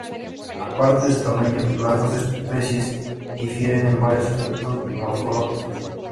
Aparte de su tamaño, las dos especies difieren en varios aspectos morfológicos.